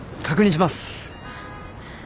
確認します。